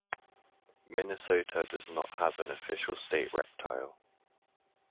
Minnesota does not have an official state reptile.